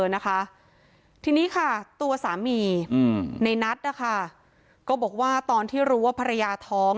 นะคะทีนี้ค่ะตัวสามีอืมในนัทนะคะก็บอกว่าตอนที่รู้ว่าภรรยาท้อง